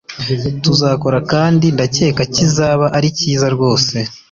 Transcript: tuzakora kandi ndakeka kizaba ari kiza rwose